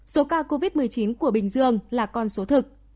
số ca covid một mươi chín của bình dương là con số thực